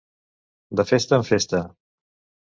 De Festa en Festa.